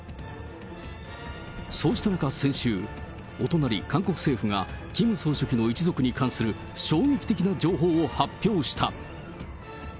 そうした中、先週、お隣、韓国政府がキム総書記の一族に関する衝撃的な情報を発表した。